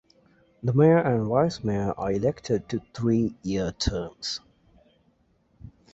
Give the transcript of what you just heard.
The mayor and vice mayor are elected to three-year terms.